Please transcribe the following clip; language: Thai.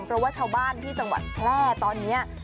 เพราะว่าชาวบ้านที่จังหวัดแพร่ตอนนี้